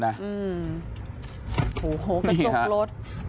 โอ้โหกระจกรถ